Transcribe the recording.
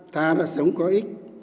ta đã sống có ích